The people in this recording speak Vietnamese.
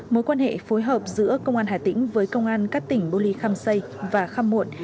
mối quan hệ phối hợp giữa công an hà tĩnh với công an các tỉnh bô ly khăm xây và khăm muộn